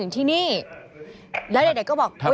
กินขออาหาร